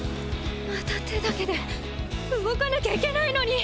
また手だけで動かなきゃいけないのに！